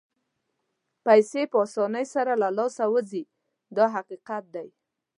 پیسې په اسانۍ سره له لاسه وځي دا حقیقت دی.